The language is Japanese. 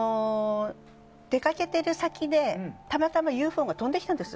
出かけてる先でたまたまＵＦＯが飛んできたんです